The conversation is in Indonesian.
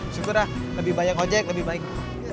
syukur lah lebih banyak ojek lebih baik